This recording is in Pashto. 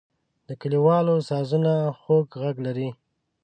د کلیوالو سازونه خوږ غږ لري.